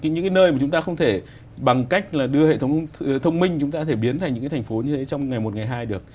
những cái nơi mà chúng ta không thể bằng cách là đưa hệ thống thông minh chúng ta có thể biến thành những cái thành phố như thế trong ngày một ngày hai được